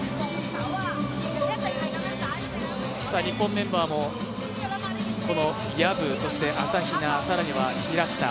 日本メンバーもこの薮そして朝比奈更には平下。